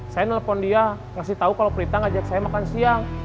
saya nelpon dia ngasih tau kalau prita ngajak saya makan siang